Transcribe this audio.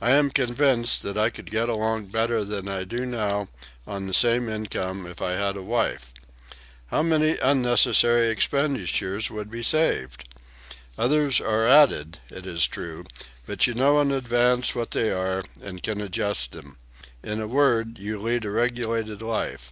I am convinced that I could get along better than I do now on the same income if I had a wife. How many unnecessary expenditures would be saved? Others are added, it is true, but you know in advance what they are and can adjust them; in a word you lead a regulated life.